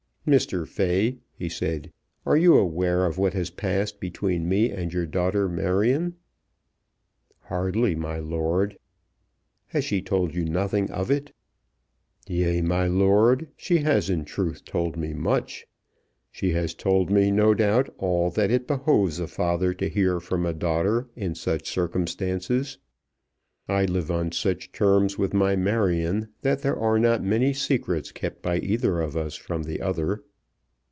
"Mr. Fay," he said, "are you aware of what has passed between me and your daughter Marion?" "Hardly, my lord." "Has she told you nothing of it?" "Yea, my lord; she has in truth told me much. She has told me no doubt all that it behoves a father to hear from a daughter in such circumstances. I live on such terms with my Marion that there are not many secrets kept by either of us from the other."